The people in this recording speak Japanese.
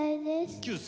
９歳。